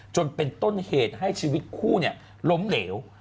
จนเป็นต้นเหตุให้ชีวิตคู่ล้มเหลว